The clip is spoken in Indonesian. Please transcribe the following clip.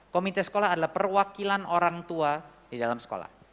komite sekolah adalah perwakilan orang tua di dalam sekolah